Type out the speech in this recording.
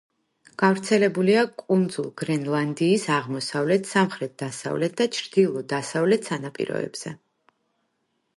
გავრცელებულია კუნძულ გრენლანდიის აღმოსავლეთ, სამხრეთ-დასავლეთ და ჩრდილო-დასავლეთ სანაპიროებზე.